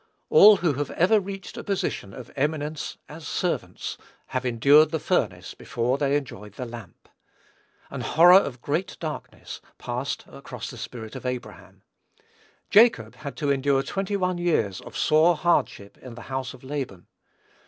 All who have ever reached a position of eminence as servants, have endured the furnace before they enjoyed the lamp. "An horror of great darkness" passed across the spirit of Abraham. Jacob had to endure twenty one years of sore hardship, in the house of Laban.